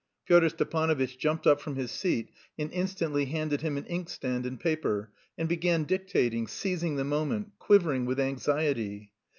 Pyotr Stepanovitch jumped up from his seat and instantly handed him an inkstand and paper, and began dictating, seizing the moment, quivering with anxiety.